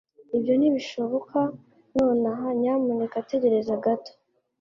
Ibyo ntibishoboka nonaha Nyamuneka tegereza gato